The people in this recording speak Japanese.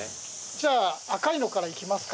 じゃ赤いのからいきますか。